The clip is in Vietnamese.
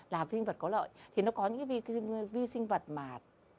là vi sinh vật có lợi thì nó có những vi sinh vật ký sinh